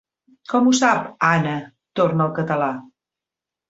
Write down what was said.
Com ho sap, Anna? —torna al català—.